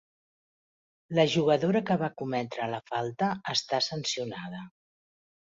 La jugadora que va cometre la falta està sancionada.